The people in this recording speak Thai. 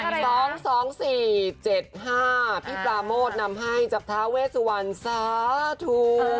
พี่ปราโมทนำให้จับท้าเวสวันซาถุ